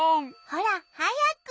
ほらはやく。